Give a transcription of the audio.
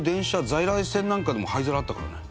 在来線なんかでも灰皿あったからね。